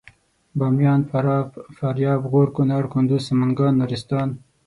باميان فراه فاریاب غور کنړ کندوز سمنګان نورستان